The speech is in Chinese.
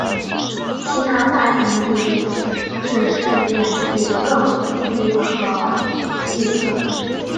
其他大型地质事件更具可预测性。